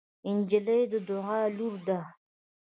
نجلۍ د دعا لور ده.